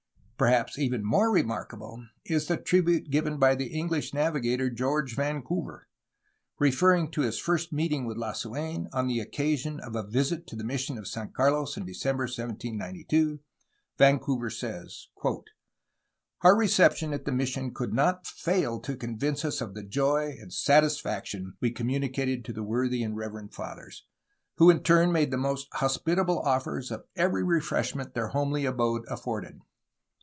Perhaps even more remarkable is the tribute given by the EngUsh navigator, George Vancouver. Referring to his first meeting with Lasuen, on the occasion of a visit to the mission of San Carlos in December 1792, Vancouver says : "Our reception at the mission could not fail to convince us of the joy and satisfaction we communicated to the worthy and reverend fathers, who in return made the most hospitable offers of every refreshment their homely abode afforded.